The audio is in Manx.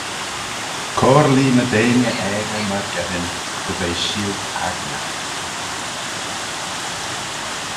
Coyrlee ny deiney aegey myrgeddin dy ve sheelt-aignagh.